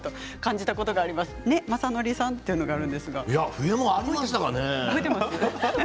冬もありましたかね？